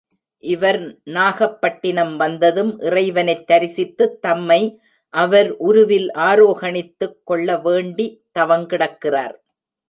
இவர் நாகப் பட்டினம் வந்ததும் இறைவனைத் தரிசித்துத் தம்மை அவர் உருவில் ஆரோகணித்துக் கொள்ள வேண்டித் தவங் கிடக்கிறார்.